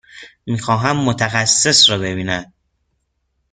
می خواهم متخصص را ببینید.